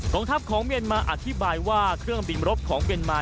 งทัพของเมียนมาอธิบายว่าเครื่องบินรบของเมียนมา